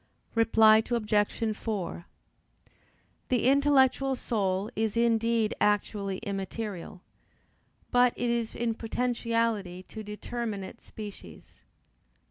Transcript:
Reply Obj. 4: The intellectual soul is indeed actually immaterial, but it is in potentiality to determinate species.